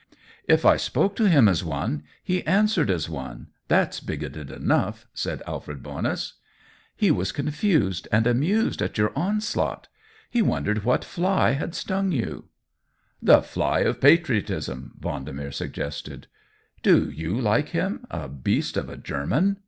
"If I spoke to him as one, he answered as one; thafs bigoted enough," said Alfred Bonus. " He was confused and amused at your onslaught : he wondered what fly had stung you." Il6 COLLABORATION " The fly of patriotism,'' Vendemer sug gested. " Do you like him — a beast of a German